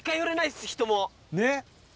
ねっ。